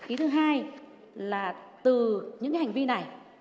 ý thứ hai là từ những hành vi này